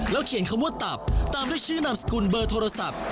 เขียนคำว่าตับตามด้วยชื่อนามสกุลเบอร์โทรศัพท์